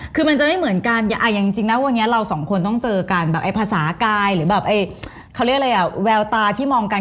คือมันจะไม่เหมือนกันวันนี้เราสองคนต้องเจอกันแบบภาษากายหรือแววตาที่มองกัน